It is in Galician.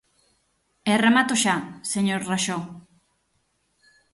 E remato xa, señor Raxó.